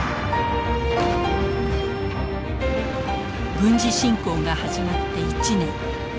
軍事侵攻が始まって１年。